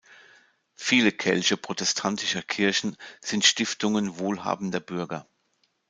Viele Kelche protestantischer Kirchen sind Stiftungen wohlhabender Bürger.